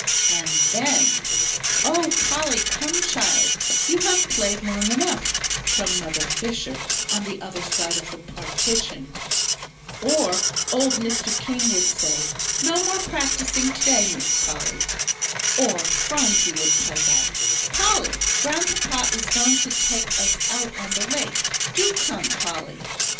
And then, "Oh, Polly, come child, you have played long enough," from Mother Fisher on the other side of the partition; or old Mr. King would say, "No more practising to day, Miss Polly;" or Phronsie would pipe out, "Polly, Grandpapa is going to take us out on the lake; do come, Polly."